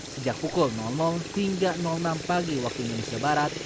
sejak pukul hingga enam pagi waktu indonesia barat